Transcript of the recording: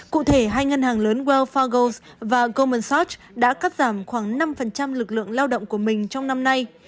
cụ thể hai ngân hàng lớn wells fargo và goldman sachs đã cắt giảm khoảng năm lực lượng lao động của mình trong năm nay